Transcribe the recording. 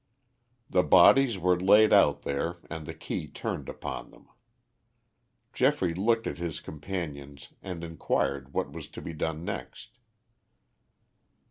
The bodies were laid out there and the key turned upon them. Geoffrey looked at his companions and inquired what was to be done next.